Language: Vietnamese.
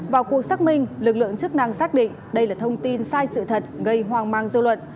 vào cuộc xác minh lực lượng chức năng xác định đây là thông tin sai sự thật gây hoang mang dư luận